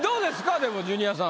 でもジュニアさん。